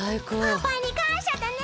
パパにかんしゃだね。